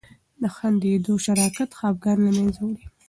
د خندیدو شراکت خفګان له منځه وړي.